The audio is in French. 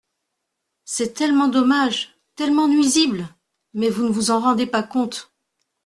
C’est tellement dommage, tellement nuisible ! Mais vous ne vous en rendez pas compte.